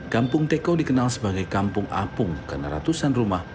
kampung teko dikenal sebagai kampung apung karena ratusan rumah